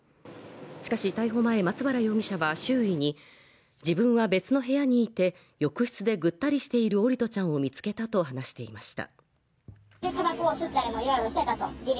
しかし、逮捕前松原容疑者は周囲に自分は別の部屋にいて、浴室でぐったりしている桜利斗ちゃんを見つけたと話していました。